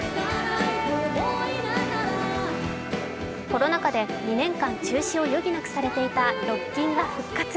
コロナ禍で２年間中止を余儀なくされていたロッキンが復活。